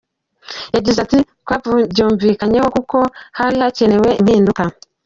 Yagize ati”Twabyumvikanyeho kuko hari hakenewe impinduka.